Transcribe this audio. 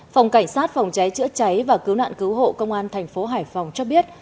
phòng cảnh sát phòng cháy chữa cháy và cứu nạn cứu hộ công an thành phố hải phòng cho biết